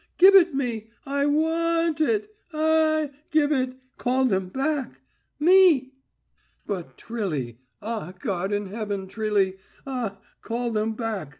Give it me! I wa ant it! A a a! Give it! Call them back! Me!" "But, Trilly!... Ah, God in heaven, Trilly; ah, call them back!"